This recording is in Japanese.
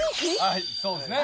はいそうですね。